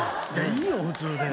いいよ普通で。